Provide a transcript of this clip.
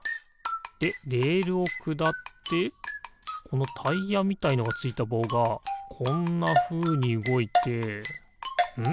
でレールをくだってこのタイヤみたいのがついたぼうがこんなふうにうごいてん？